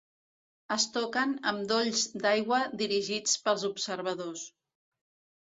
Es toquen amb dolls d'aigua dirigits pels observadors.